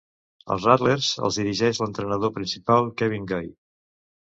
Els Rattlers els dirigeix l'entrenador principal Kevin Guy.